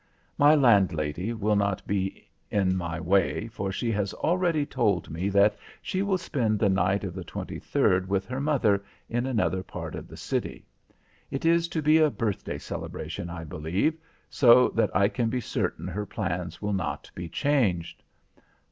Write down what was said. My landlady will not be in my way, for she has already told me that she will spend the night of the 23rd with her mother, in another part of the city. It is to be a birthday celebration I believe, so that I can be certain her plans will not be changed.